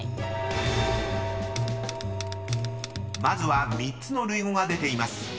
［まずは３つの類語が出ています］